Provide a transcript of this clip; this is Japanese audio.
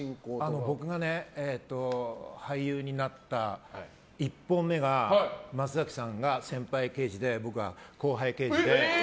僕のね、俳優になった１本目が松崎さんが先輩刑事で僕が後輩刑事で。